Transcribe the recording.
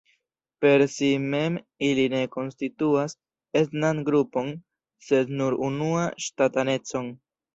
Per si mem ili ne konstituas etnan grupon sed nur una ŝtatanecon.